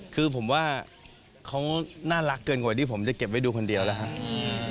คือผมว่าเขาน่ารักเกินกว่าที่ผมจะเก็บไว้ดูคนเดียวแล้วครับ